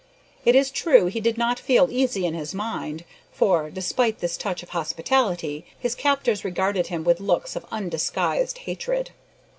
It is true he did not feel easy in his mind, for, despite this touch of hospitality, his captors regarded him with looks of undisguised hatred.